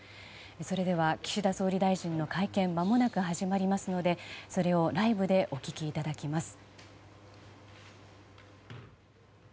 それでは岸田総理大臣の会見、間もなく始まりますのでそれをライブでお聞きいただきます。